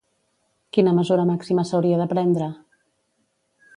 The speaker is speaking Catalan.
Quina mesura màxima s'hauria de prendre?